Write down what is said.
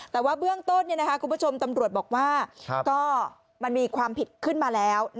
แต่ว่าเบื้องต้นคุณผู้ชมตำรวจบอกว่าก็มันมีความผิดขึ้นมาแล้ว